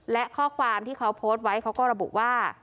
และข้อความที่เขาโพสต์ไว้เขาก็ระบุว่า